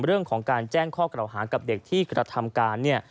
เรื่องของการแจ้งข้อกล่าวหากับเด็กที่กระทำการเนี่ย